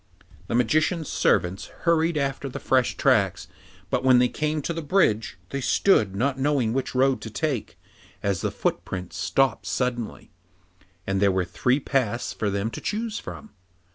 The Magician's servants hurried after the fresh tracks, but when they came to the bridge, they stood, not knowing which road to take, as the footprints stopped suddenly, and there were three paths for them to choose from.